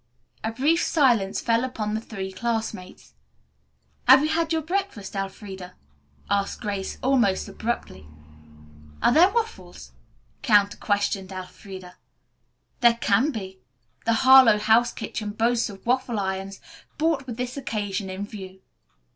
A brief silence fell upon the three classmates. "Have you had your breakfast, Elfreda?" asked Grace, almost abruptly. "Are there waffles?" counter questioned Elfreda. "There can be. The Harlowe House kitchen boasts of waffle irons, bought with this occasion in view."